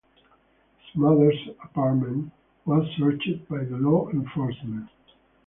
His mother’s apartment was searched by the law enforcement.